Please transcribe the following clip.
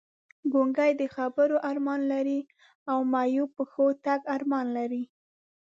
ګونګی د خبرو ارمان لري او معیوب پښو تګ ارمان لري!